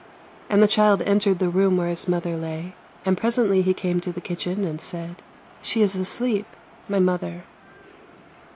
And the child entered the room where his mother lay, and presently he came to the kitchen and said :" She is asleep — my mother."